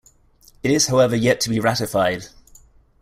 It is however yet to be ratified.